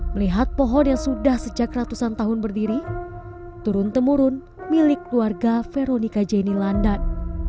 melihat pohon yang sudah sejak ratusan tahun berdiri turun temurun milik keluarga veronica jenny landan